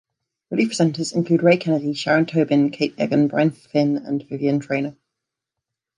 Relief presenters include Ray Kennedy, Sharon Tobin, Kate Egan, Brian Finn and Vivienne Traynor.